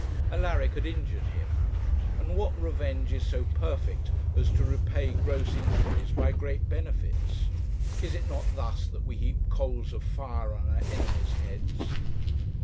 Alaric had injured him, and what revenge is so perfect as to repay gross injuries by great benefits? Is it not thus that we heap coals of fire on our enemies' heads?